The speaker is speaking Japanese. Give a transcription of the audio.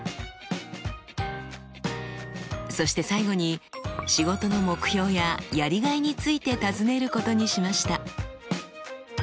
そして最後に仕事の目標ややりがいについて尋ねることにしました。